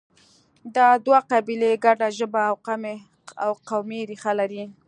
دا دوه قبیلې ګډه ژبه او قومي ریښه لري